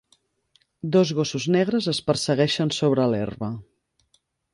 Dos gossos negres es persegueixen sobre l'herba.